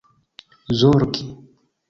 zorgi